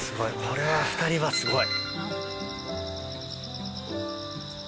これは２人はすごい！